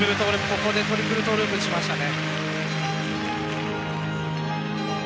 ここでトリプルトーループにしましたね。